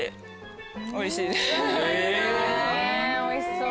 おいしそう。